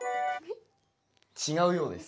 違うようです。